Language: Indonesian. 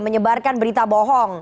menyebarkan berita bohong